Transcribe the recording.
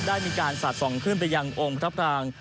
ได้มีการสัดส่องขึ้นไปยังองค์พระพราง